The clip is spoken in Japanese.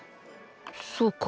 そうか。